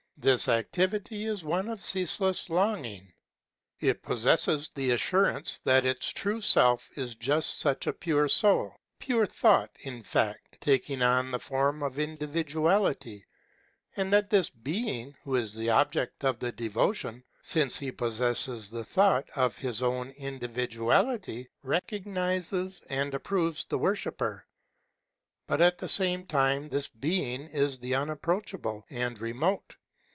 This activity is one of ceaseless longing. It pos sesses the assurance that its true Self is just such a pure soul, pure thought in fact, taking on the form of individuality, — and that this Being, who is the object of the devotion, since he possesses the thought of his own individuality, recognizes and approves the worshipper. But at the same time this Being is the unapproachable and remote.